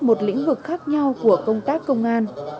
một lĩnh vực khác nhau của công tác công an